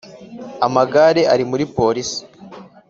amagare ari muri police